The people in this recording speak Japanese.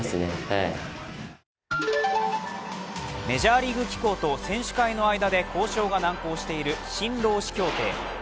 メジャーリーグ機構と選手会の間で交渉が難航している新労使協定。